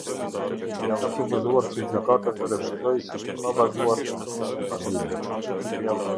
Ka propozuar që gjykata të refuzoi si të pa bazuar kërkesëpadinë.